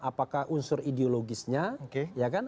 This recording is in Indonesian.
apakah unsur ideologisnya ya kan